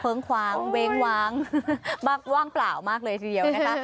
คว้างเว้งว้างว่างเปล่ามากเลยทีเดียวนะคะ